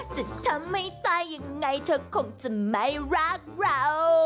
จะทำให้ตายยังไงเธอคงจะไม่รักเรา